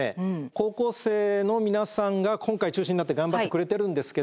高校生の皆さんが今回中心になって頑張ってくれてるんですけど